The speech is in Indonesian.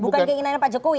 bukan keinginannya pak jokowi